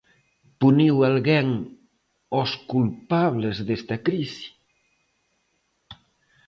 Puniu alguén aos culpables desta crise?